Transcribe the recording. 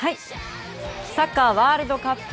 サッカーワールドカップ